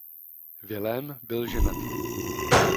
Vilém byl ženatý.